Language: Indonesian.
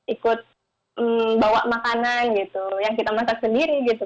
ikut bawa makanan gitu yang kita masak sendiri gitu